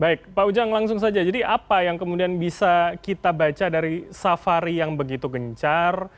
baik pak ujang langsung saja jadi apa yang kemudian bisa kita baca dari safari yang begitu gencar